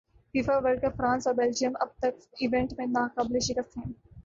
FIFA World Cup France اور Belgium اب تک ایونٹ میں ناقابل شکست ہیں